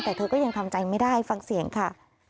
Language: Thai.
แต่เธอก็ยังทำใจไม่ได้ฟังเสียงค่ะ